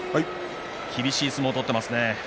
厳しい相撲を取っていますね。